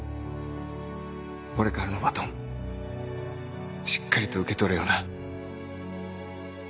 俺からのバトンしっかりと受け取れよな。